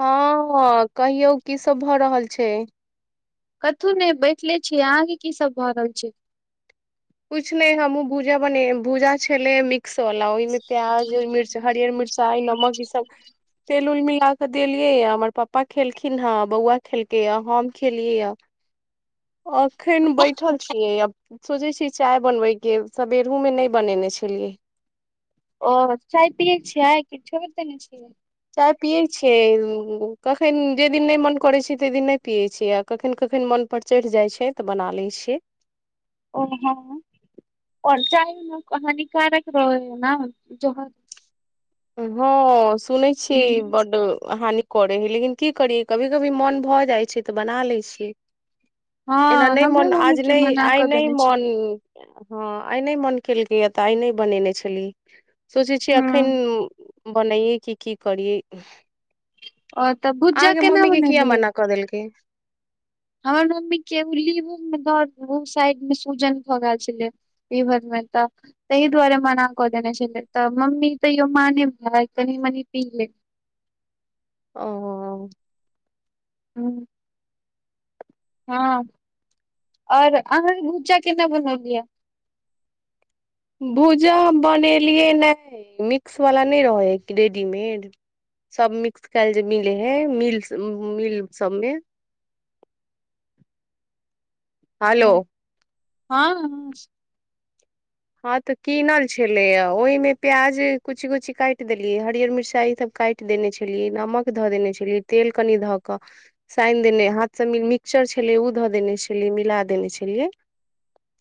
हँ कहियौ की सब भऽ रहल छैय। कथहु ने बैठले छीयै अहाँके की सब भऽ रहल छैय। किछु नहि हमहुँ भूजा बने भूजा छले मि क्स बला ओहिमे प्याज मिर्च हरियर मिर्चा नमक ई सब तेल उल मिला कऽ देलिये या हमर पपा खेलखिन हे बौआ खेलकै या हम खेलियै या। एखन बै ठल छियै अब सोचे छी चाय बनबे के सबेरू में नहि बनेने छलियै। ओ चाय पिय छिय आ कि छौरि देने छियै। चाय पियै छियै कखन जे दिन नहि मन करै छैय तहि दिन नहि पियै छियै आ कखन कखन मोन पर चढ़ि जाय छैय तऽ बना लय छियै। ओ हँ आओर चाह ने हानिकारक रहै है ने जह हँ सुनै छीये बड हानि करै हइ लेकिन की करियै कभी-कभी मोन भऽ जाइ छैय तऽ बना लै छियै। एना हँ नहि हमरो मन मम्मी आज के नहि मना आइ कऽ नहि देने छियै मन हँ आइ नहि मन केलकैए तऽ आइ नहि बनेने छलीह सोचैत छीय एखन हँ। बनाइए कि की करियै? ओ तब अहाँके मम्मी के किया मना कऽ देलकै? हमर मम्मी केली ओ साइड मे सुजन भऽ गेल छलै। ई भदमे तऽ ताहि दुआरे मना कऽ देने छलै तऽ मम्मी तयो माने बला है कनि मनी पीे ले। ओ। हूँ। हँ और अँहा भुजा केना बनौलियै। भुजा हम बनेलियै नहि मिक्सवला नहि रहै हइ कि रेडीमेड। सब मिक्स केल जे मिले है मिल-मिल सब मे। हलो। हँ। हँ। हँ तऽ कीनल छले य ओहि में प्याज कुची-कुची काटि देलियै हरियर मिर्चाई ई सब काटि देने छलियै नमक धऽ देने छलियै तेल कनि धऽ कऽ साननि देने हाथसँ मिक्सचर छलै ओ धऽ देने छलियै मिला देने छलियै।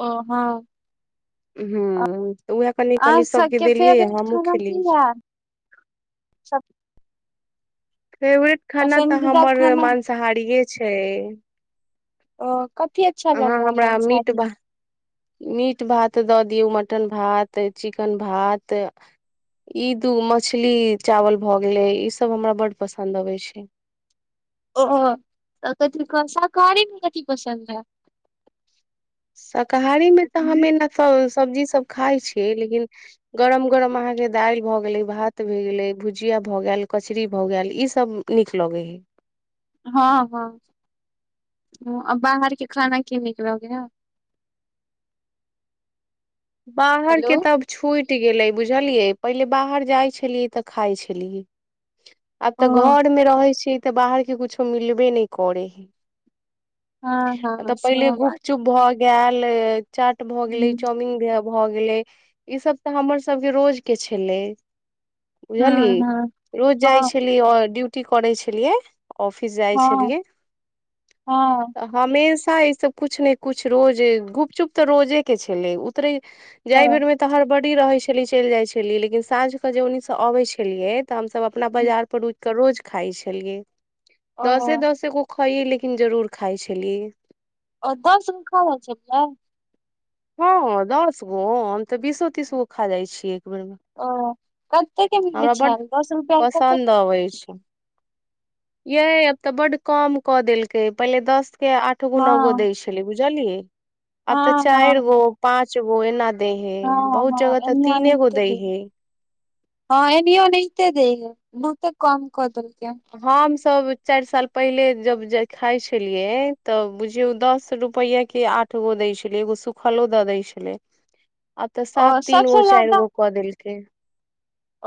ओ हँ। हूं त उहै कनि अहाँ कनि सभके सबके देलियै फेवरेट हमु खाना खेली। की है सब फेवरेट खाना त पसन्दीदा हमर खाना मांसाहारियए छै। ओ कथी अच्छा अहाँ लगे है हमरा मीट मांसाहारी भा में, मीट भात द दियौ मटन भात चिकन भात‌, ई दू मछली चावल भौ गेले ई सब हमरा बड पसंद अबे छै। ओ त कथी कस साकारी मे कथि पसन्द है। शाकाहारीमे त हम एना त सब्जीसब खाइ छियै लेकिन, गरम गरम अहाँके दाइल भ गेलै भात भेए गेलै भुजिया भोगेल कचरी भोगेल ईसब, नीक लोगे हे। हँ हँ। आ बाहर के खाना की निक लगे है। बाहर के हेलो त, छुइट गेलै बुझलियै पहिले बाहर जाइ छलियै त खाइ छलियै। आब ओ त घोरमे रहै छी त बाहरके किछो मिलबे नै कोरै है। हँ हँ तब पहिले सेहो बात गुपचुप भ गेलए चाट भ गेलैय हँ चाउमीन, भ गेलै ई सब त हमर सबके रोज के छलैय। बुहलि हँ हँ रोज जाइ हँ छलिअ ड्यूटी करै छलियै। ऑफिस जाइ हँ हँ छलियै------अ, हमेशा ई सब कुछ ने कुछ रोजे गुपचुप त रोजे के छलै उतरे, जाय ओ बेर में त हड़बड़ी रहे छली चैल जाइ छली लेकिन साँझ स जे उनी स अबे छलियै, त हमसब अपना बाजार पर रूइक के रोज खाइ छलियै ओ दसे दसगो, खोई लेकिन जरूर खाइ छलीये। ओ द सुन खा जाय छैलिया। हँ दस गो हम त बीसो तीस गो खा जाइ छीयै एक बेेर मे। ओ कते के मिलै छैल दस रुपआ कते, तबै छै। यय अब त बड कम क देलके पहिले दस के आठ गो नओ हँ गो दय छले बु, बुझलियै आब त हँ चाइर हँ गो पाँच गो एना, देै है हँ बहुत हँ जगह त एनहियो तीने गो ओनाहिते दैइ दै है। हँ एनीयै ओनेई देया बहुते कोम क देल के। हम सब चाइर साल पहिले जब जे खाय छलियै तब बुझियौ दस रुपइयै, के आठ गो दैइ छलै एगो सुखलो द दै छलै। आब त ओ साफ तीन गो सबसे चाइर ज्यादा गो क देलकै।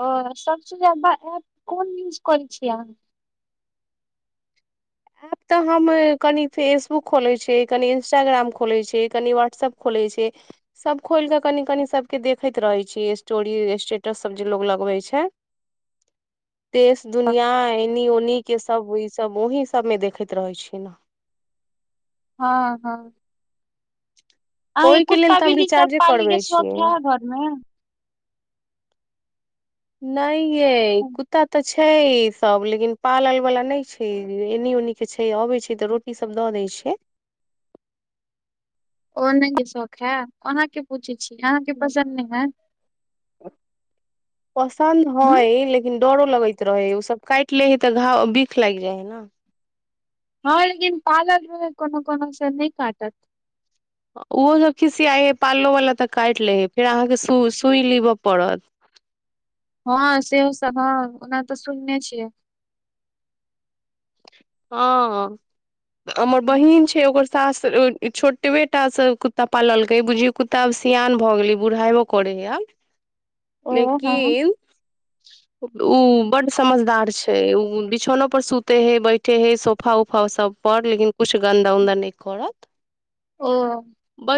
ओ सबस ज्यादा एप कोन यूज करै छियै अहाँ। ऐप त हम कनि फेसबुक खोलै छियै कनि इंस्टाग्राम खोलै छियै कनि व्हाट्सएप खोलै छियै। सब खोएल क कनी कनी सबके देखैत रहै छी स्टोरी स्टेटस सब जे लोग लगबै छै। देश दुनिया एनी ओनी के सब ई सब ओहि सबमे देखैत रहै छी न। हँ हँ। अये ओहिके लेल कुत्ता तऽ हम बिली सब रिचार्जे पालले करबै स्वथ छियै है घोरमे। नई यै कु, कुता त छैइ सब लेकिन पालल वाला नई छै एनी ओने के छै अबे छै त रोट, ई सब द दै छियै। ओ नई शौख हैए ओहाके पूछै छी अहाँके पसन्द नय है। [unintelligible] हूँ डरो लगैत रहे है ओ सब कैट लै है तऽ घाव बिख लागि जाइ है ना हँ लेकिन पालल रहय है कोनो कोनो से नहि काटत। ओहो सब खिसियाइ हे पाललो वालला तऽ काटि लै है फेर अहाँके सूइ लेबऽ पड़त। हँ से हँ ओनाहितो सुनने छियै। हँ हमर हम्म, बहिन छै ओकर सास छोटबे टा से कुत्ता पाललकय बुझीयो कुत्ता आब सियान भ गेले बुढ़ालो करय है आब ओ हँ लेकिन ओ बड समझदार छै ओ बिछौनो पर सुते हय बैठे हय सोफा उफा सब पर लेकिन किछु गन्दा उन्दा नहि करत। ओ।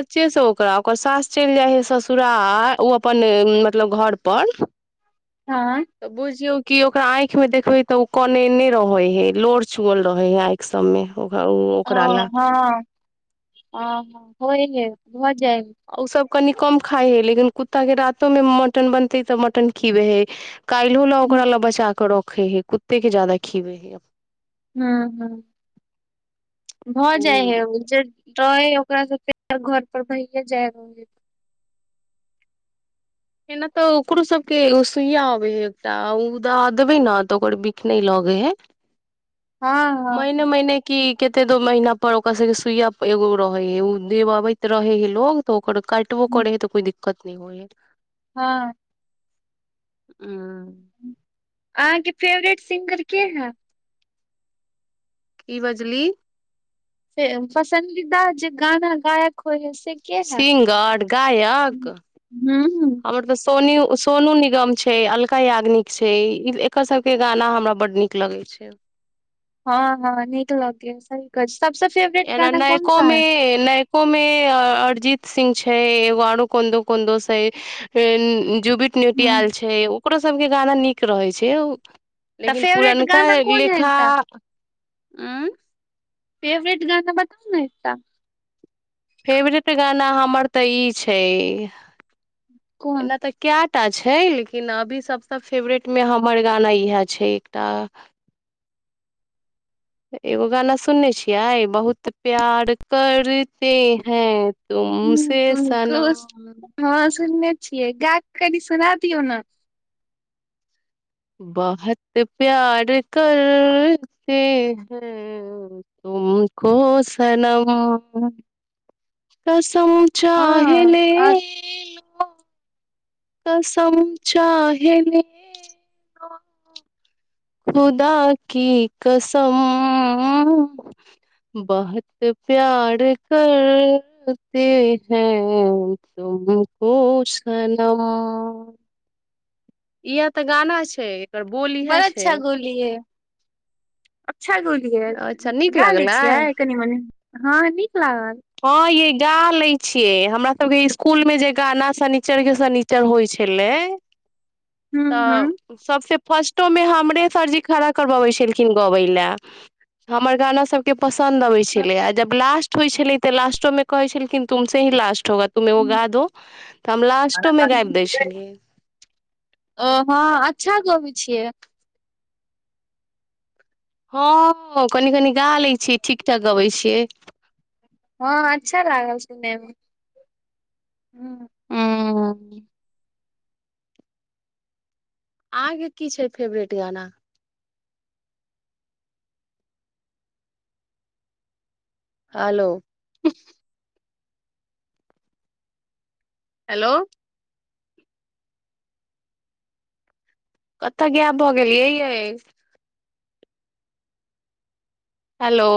से सब ओकरा ओकर सास चलि जाइ हइ ससुरा ओ अपन मतलब घर पर आँइ? तऽ बुझियौ कि ओकरा आंखि में देखबे तऽ ओ कनेने रहेय लोर चुअल रहे है आँइख सबमे ओकरा ला। हँ। हँ हँ होइ है भ जाय है। ओसभ कनि कम खाइ हइ लेकिन कुत्ता के रातोमे मटन बनतै तऽ मटन खिबै हइ। काल्हो लए ओकरा लए बचा कऽ रखै हइ कुत्तेके ज्यादा खिअबै हइ। हुं हुं भऽ जाइ हूँ है उ रहै हइ ओकरा सब फ घर पर भैेये जाय रहैय हय। एना तऽ ओकरो सबके सुइया अबे है एकटा उ द देबय ना तऽ ओकर बिक नहि लऽगै है हँ महने हँ महिने की कते दो महीना पर ओकरा सबके सुइया एगो रहे हे ऊ दियबबैत रहे है लोग त ओकर काट वो हँ करे ह तो कोइ दिक्कत नहि होइ है। हँ। उम। अहाँके फेवरेट सिंगर के है। की बजली? से पसन्दीदा जे गाना गायक होइ है स सिंगड गायक हूँ हमर तऽ सोउनू सोनू निगम छै अलका याग्निक छै एकर सबके गाना हमरा बड्ड नीक लगै छै। हँ हँ नीक लगय है सही कहै सबस फेवरेट गाना कोन सा अइ? ए नहि ओ मे अरजीत सिंह छै एगो आारो कोंदो कोंदो छै जुबिट हम्म, न्युटियाल छै ओकरो सभके गाना नीक रहै छै। तऽ लेकिन फेवरेट पुरनका गाना [unintelligible] कोन है लेखा एकटा उ फेवरेट गाना बताउ ना एकटा। फेवरेट गाना हमर तऽ ई छै कोन एना तऽ कैटा छै लेकिन अभी सबसँ फेवरेट मे हमर गाना इहा छै एकटा। एगो गाना सुनने छियै बहुत प्यार करते हैं तुम हूँ से तुमको सनम। हँ सुनने छियै गा क कनि सुना दियौ ना। [unintelligible] [unintelligible] हँ आ [unintelligible] [unintelligible] [unintelligible] [unintelligible] [unintelligible] इयै तऽ गाना छै। एकर बोल बड़ इएह छै अच्छा गोलियै अच्छा गोली लिये, अच्छा नीक गा लै लागलै छियै कनि-मनि, हँ नीक लागल। हँ चैए गा लय छियै, हमरा सब के स्कूल मे जे गाना शनिचर के शनि चर होइ छलै हूँ तऽ हूँ सबसे फर्स्टो मे हमरे सरजी खड़ा करवबै छलखिन गबै लए। हमर गाना सबके पसन्द अबैत छलैए, जब लास्ट होइ छलै तऽ लास्टोमे कहै छल खिन अहि स लास्ट हैत, अहि एकटा गाइब दियौ, तऽ हम लास्टो में गाबि दै छलियै‌। ओ हँ अच्छा गबै छियै। हँ कनि-कनि गा लै छीयै ठीक-ठाक गबै छियै। हँ अच्छा लागल सुनैम हूं। अम्म आहांके की छै फेवरेट गाना। हलो हेलो कतऽ गैब भऽ गेलियै यैंए। हेलो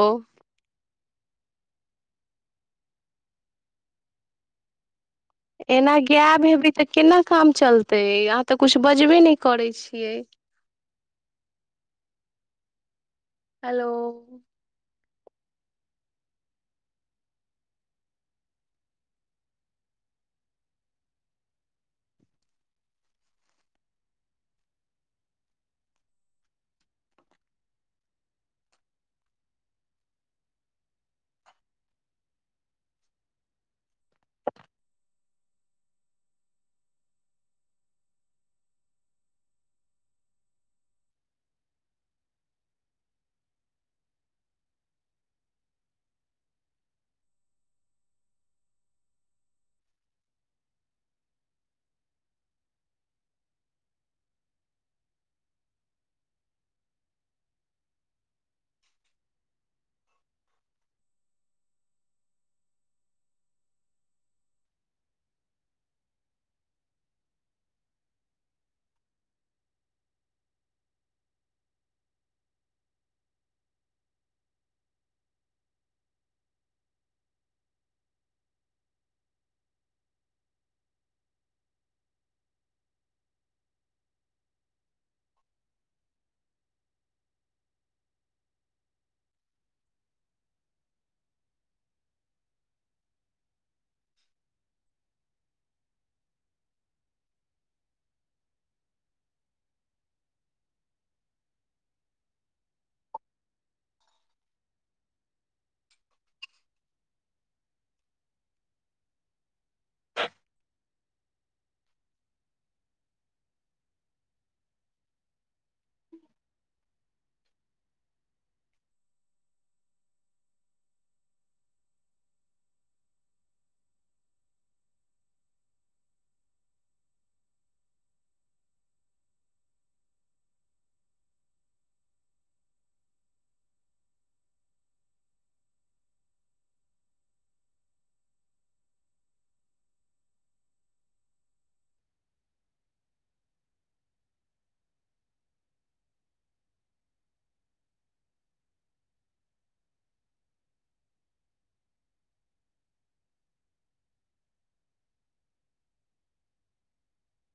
एना गैएब हेबै तऽ केना काम चलतै, अहाँ तऽ कुछ बजबे नहि करै छियै। हैलो